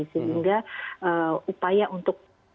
sehingga upaya untuk